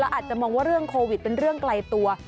อาจจะมองว่าเรื่องโควิดเป็นเรื่องไกลตัว